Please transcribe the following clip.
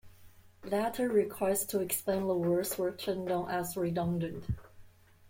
Later requests to expand the walls were turned down as redundant.